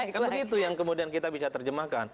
kan begitu yang kemudian kita bisa terjemahkan